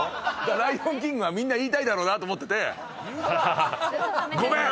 「ライオンキング」はみんな言いたいだろうなと思っててごめん。